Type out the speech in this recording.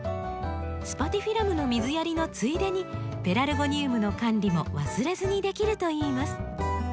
スパティフィラムの水やりのついでにペラルゴニウムの管理も忘れずにできるといいます。